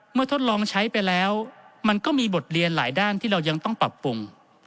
ทดลองใช้ไปแล้วมันก็มีบทเรียนหลายด้านที่เรายังต้องปรับปรุง